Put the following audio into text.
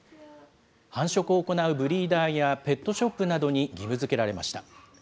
繁殖を行うブリーダーやペットショップなどに義務づけられました。